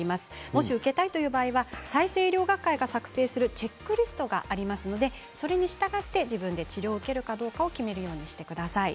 もし受けたい場合は再生医療学会が作成するチェックリストがありますのでそれに従って自分で治療を受けるかどうかを決めるようにしてください。